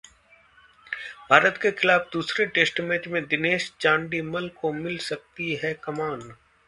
भारत के खिलाफ दूसरे टेस्ट मैच में दिनेश चांडीमल को मिल सकती है कमान